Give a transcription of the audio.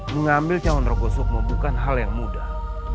mengambil calon rogo sukmo bukan hal yang mudah